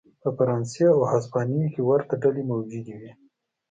په فرانسې او هسپانیې کې ورته ډلې موجود وې.